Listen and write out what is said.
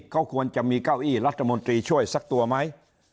เขาควรจะมีเก้าอี้รัฐมนตรีช่วยสักตัวไหม